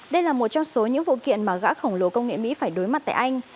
đây là một trong số những vụ kiện mà gã khổng lồ công nghệ mỹ phải đối mặt tại anh